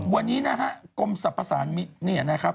วันนี้นะครับกงฎศัพพศาสนมิตเลยเนี่ยนะครับ